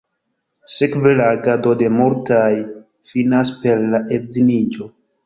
Sekve la agado de multaj finas per la edziniĝo.